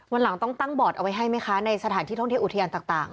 วันหลังต้องตั้งบอร์ดเอาไว้ให้ไหมคะในสถานที่ท่องเที่ยวอุทยานต่าง